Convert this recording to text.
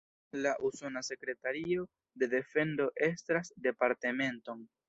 La Usona Sekretario de Defendo estras departementon.